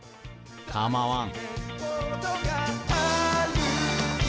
かまわん。